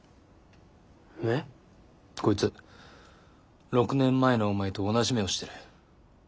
こいつ６年前のお前と同じ目をしてる。